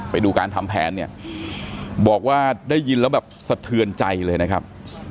ไปดูการทำแผนเนี่ยบอกว่าได้ยินแล้วแบบสะเทือนใจเลยนะครับ